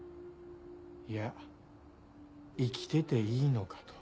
いや生きてていいのか」と